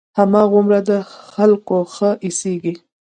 هماغومره د خلقو ښه اېسېږي.